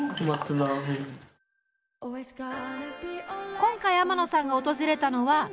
今回天野さんが訪れたのは東京。